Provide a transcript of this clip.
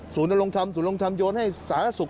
ศูนย์โรงทำศูนย์โรงทำโยนให้สหรัฐศูกร์